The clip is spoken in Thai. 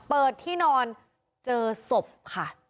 เปิดที่นอนเจอศพค่ะ